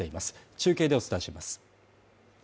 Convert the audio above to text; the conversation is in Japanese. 中継でお伝えします。